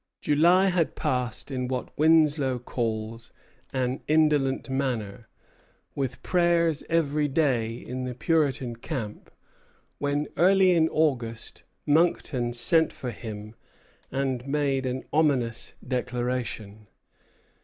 July had passed in what Winslow calls "an indolent manner," with prayers every day in the Puritan camp, when, early in August, Monckton sent for him, and made an ominous declaration.